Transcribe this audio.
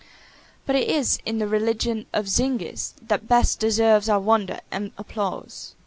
But it is the religion of Zingis that best deserves our wonder and applause.